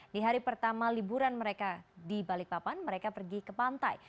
di hari pertama liburan mereka di balikpapan mereka pergi ke pantai